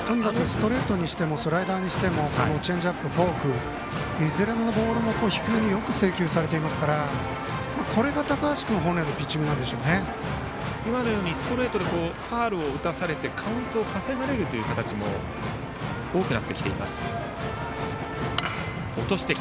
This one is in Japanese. ストレートにしてもスライダーにしてもチェンジアップ、フォークいずれのボールも低めによく制球されていますから今のようにストレートでファウルを打たされてカウントを稼がれるという形も多くなってきています。